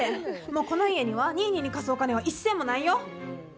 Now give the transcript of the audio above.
もう、この家にはニーニーに貸すお金は一銭もないよ！